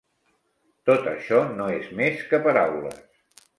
Tot això no és més que paraules.